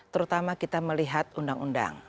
terutama kita melihat undang undang